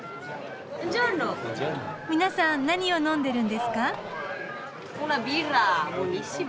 皆さん何を飲んでるんですか？